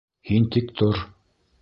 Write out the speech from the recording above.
Һин тик тор!